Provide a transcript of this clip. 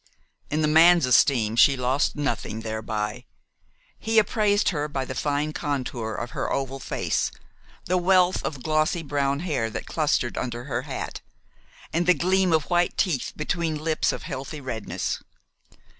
In the man's esteem she lost nothing thereby. He appraised her by the fine contour of her oval face, the wealth of glossy brown hair that clustered under her hat, and the gleam of white teeth between lips of healthy redness.